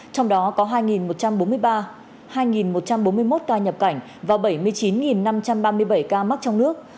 trong đó có hai một trăm bốn mươi ba ca nhập cảnh và bảy mươi chín năm trăm ba mươi bảy ca mắc trong nước